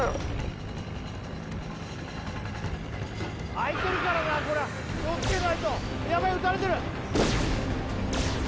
開いてるからなこれは気をつけないとやばい撃たれてる！